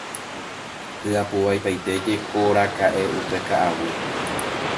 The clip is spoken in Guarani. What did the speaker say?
Hyapuvaipaitéjekoraka'e upe ka'aguy.